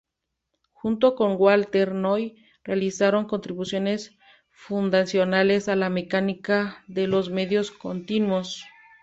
Junto con Walter Noll realizaron contribuciones fundacionales a la mecánica de los medios continuos.